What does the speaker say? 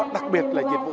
đặc biệt là dịch vụ